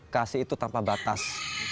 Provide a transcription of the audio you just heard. kasih itu tanpa batas